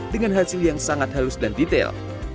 dengan hasil yang sangat halus dan detail